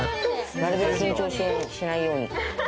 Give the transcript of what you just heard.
なるべく緊張しないように。